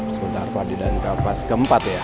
sebentar padi dan kapas keempat ya